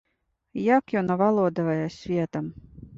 Як ён авалодвае светам?